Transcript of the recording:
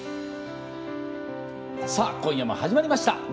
今夜も始まりました。